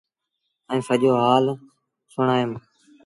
ائيٚݩ سڄو هآل سُڻآئيٚم ۔